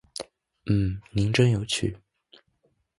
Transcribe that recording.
嗯，您真有趣